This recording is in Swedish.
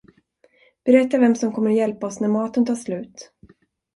Berätta vem som kommer att hjälpa oss när maten tar slut.